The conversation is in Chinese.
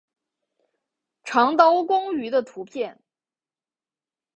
长刀光鱼的图片